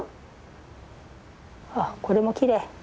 あっこれもきれい。